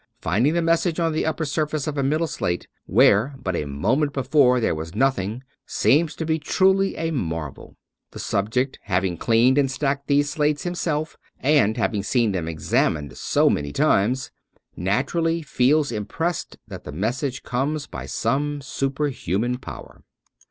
Finding the mes sage on the upper surface of a middle slate, where but a moment before there was nothing, seems to be truly a mar vel. The subject having cleaned and stacked these slates himself, and having seen them examined so many times, naturally feels impressed that the message comes by some superhunian power.